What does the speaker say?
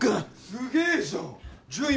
すげえじゃん順位